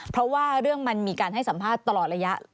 เพราะว่าเรื่องมันมีการให้สัมภาษณ์ตลอดระยะ